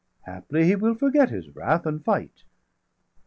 Haply he will forget his wrath, and fight.